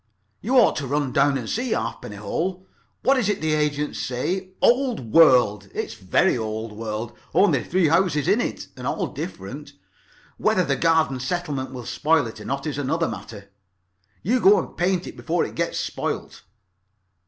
"You ought to run down and see Halfpenny Hole. What is it the agents say? Old world. It's very old world. Only three houses in it, and all different. Whether the garden settlement will spoil it or not is another matter. You go and paint it before it gets spoilt.